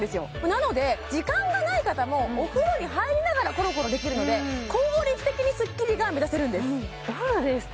なので時間がない方もお風呂に入りながらコロコロできるので効率的にスッキリが目指せるんです